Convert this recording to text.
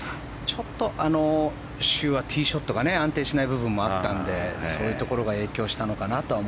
ちょっとあの週はティーショットが安定しないところがあったのでそういうところが影響したのかなとは